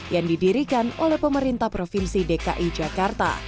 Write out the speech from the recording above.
yang didirikan oleh pemerintah provinsi dki jakarta